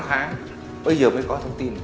hơn tám tháng bây giờ mới có thông tin